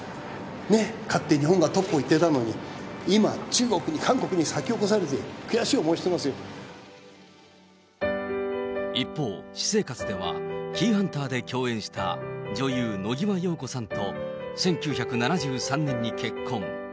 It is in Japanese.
ねっ、かつては日本がトップをいってたのに、今、中国に、韓国に先を越一方、私生活では、キイハンターで共演した女優、野際陽子さんと１９７３年に結婚。